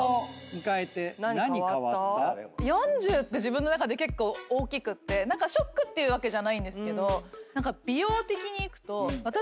４０って自分の中で結構大きくてショックっていうわけじゃないんですけど何か。